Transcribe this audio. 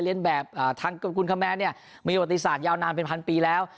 เล่นแบบเอ่อทางคุณคมแม่เนี้ยมีอบริษัทยาวนานเป็นพันปีแล้ว